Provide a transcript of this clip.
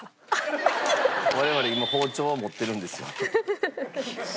我々今包丁は持ってるんですよ。